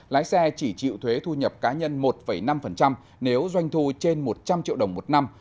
lái xe chỉ chịu thuế thu nhập cá nhân một năm nếu doanh thu trên một trăm linh triệu đồng một năm